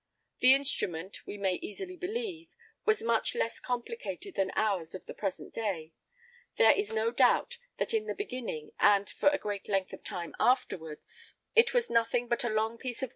[I 21] This instrument, we may easily believe, was much less complicated than ours of the present day; there is no doubt that in the beginning, and for a great length of time afterwards, DESCRIPTION OF PLATE No.